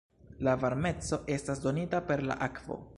La varmeco estas donita per la akvo.